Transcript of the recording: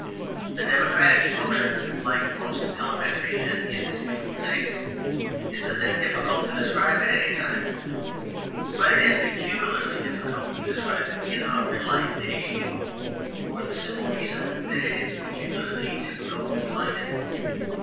The democratic emotion, like most elementary and indispensable things, is a thing difficult to describe at any time. But it is peculiarly difficult to describe it in our enlightened age, for the simple reason that it is peculiarly difficult to find it.